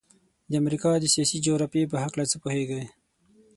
د امریکا د سیاسي جغرافیې په هلکه څه پوهیږئ؟